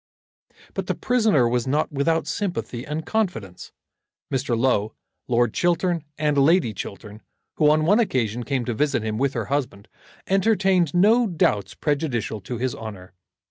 But the prisoner was not without sympathy and confidence. Mr. Low, Lord Chiltern, and Lady Chiltern, who, on one occasion, came to visit him with her husband, entertained no doubts prejudicial to his honour.